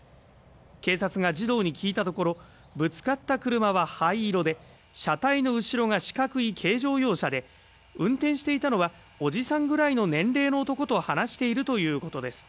警察が児童に聞いたところぶつかった車は灰色で車体の後ろが四角い軽乗用車で運転していたのはおじさんくらいの年齢の男と話しているということです